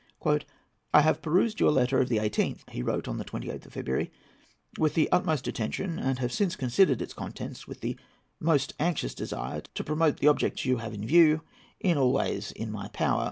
"I have perused your letter of the 18th," he wrote on the 28th of February, "with the utmost attention, and have since considered its contents with the most anxious desire to promote the objects you have in view in all ways in my power.